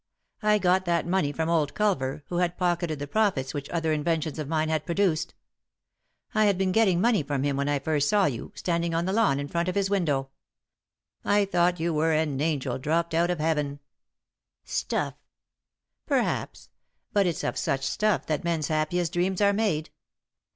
I got that money from old Culver, who had pocketed the profits which other inventions of mine had produced. I had been getting money from him when I first saw you, standing on the lawn in front of his window. I thought you were an angel dropped out of heaven." " Stuff 1" " Perhaps, but it's of such stuff that men's happiest dreams are made.